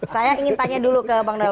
saya ingin tanya dulu ke bang donald